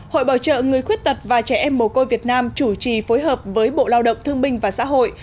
hội bảo trợ người khuyết tật và trẻ em mồ côi việt nam chủ trì phối hợp với bộ lao động thương minh và xã hội